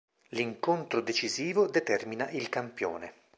L'incontro decisivo determina il campione.